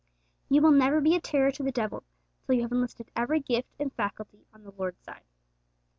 You will never be a terror to the devil till you have enlisted every gift and faculty on the Lord's side.